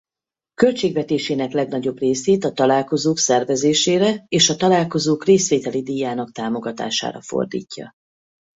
Költségvetésének legnagyobb részét a találkozók szervezésére és a találkozók részvételi díjának támogatására fordítja.